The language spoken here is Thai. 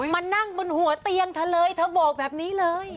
มานั่งบนหัวเตียงเธอเลยเธอบอกแบบนี้เลย